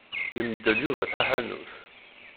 Yemdel Yuba taḥanut.